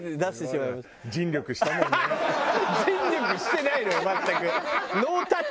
尽力してないのよ全く。